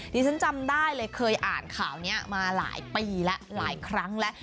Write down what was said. ดิฉันจำได้เลยเคยอ่านข่าวนี้มาหลายปีแล้วหลายครั้งแล้ว